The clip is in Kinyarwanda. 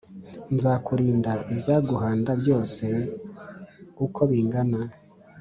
Nzakurinda ibyaguhanda byose uko bingana